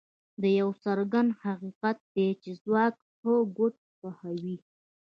دا یو څرګند حقیقت دی چې ځواک ښه کوډ خوښوي